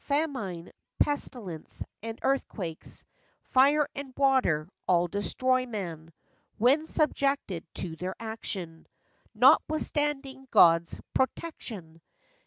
Famine, pestilence, and earthquakes, Fire, and water—all destroy man When subjected to their action— Notwithstanding God's "protection."